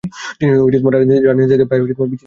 তিনি রাজনীতি থেকে প্রায় বিচ্ছিন্ন হয়ে পড়েন।